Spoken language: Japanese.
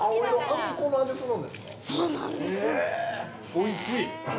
◆おいしい！